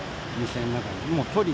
店の中に。